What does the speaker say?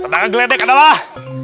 terdangkan geledek adalah